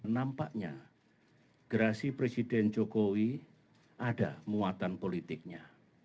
nampaknya gerasi presiden jokowi ada muatan politiknya